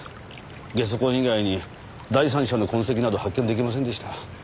ゲソ痕以外に第三者の痕跡など発見出来ませんでした。